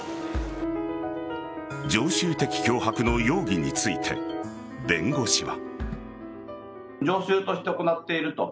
常習的脅迫の容疑について弁護士は。